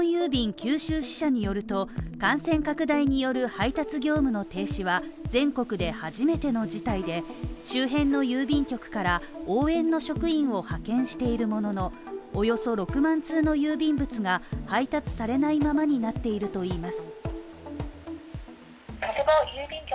九州支社によると感染拡大による配達業務の停止は全国で初めての事態で、周辺の郵便局から応援の職員を派遣しているものの、およそ６万通の郵便物が配達されないままになっているといいます。